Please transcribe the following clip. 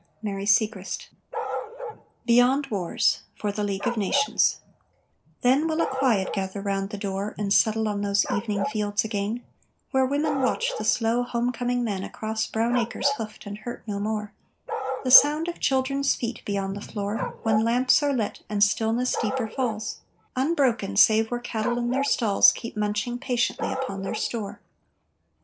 MARY SIEGRIST. BEYOND WARS FOR THE LEAGUE OF NATIONS Then will a quiet gather round the door, And settle on those evening fields again, Where women watch the slow, home coming men Across brown acres hoofed and hurt no more, The sound of children's feet be on the floor, When lamps are lit, and stillness deeper falls, Unbroken, save where cattle in their stalls Keep munching patiently upon their store.